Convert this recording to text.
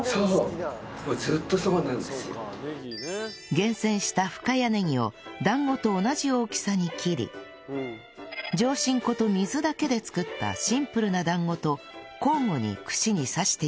厳選した深谷ねぎを団子と同じ大きさに切り上新粉と水だけで作ったシンプルな団子と交互に串に刺していきます